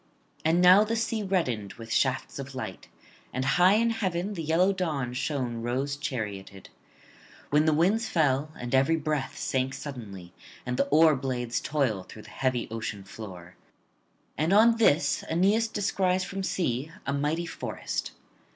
And now the sea reddened with shafts of light, and high in heaven the yellow dawn shone rose charioted; when the winds fell, and every breath sank suddenly, and the oar blades toil through the heavy ocean floor. And on this Aeneas descries from sea a mighty forest.